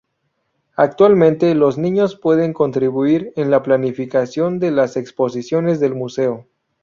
Actualmente, los niños pueden contribuir en la planificación de las exposiciones del museo.